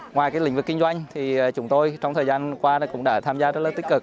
ngoài lĩnh vực kinh doanh thì chúng tôi trong thời gian qua cũng đã tham gia rất là tích cực